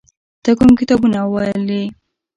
ته کوم کتابونه ولې؟